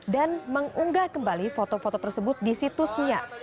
mengunggah kembali foto foto tersebut di situsnya